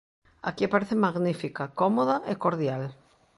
Aquí aparece magnífica, cómoda e cordial.